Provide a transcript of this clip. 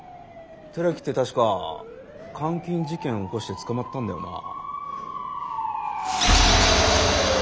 寺木って確か監禁事件起こして捕まったんだよな。